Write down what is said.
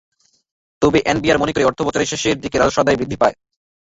তবে এনবিআর মনে করে, অর্থবছরের শেষের দিকে রাজস্ব আদায় বৃদ্ধি পায়।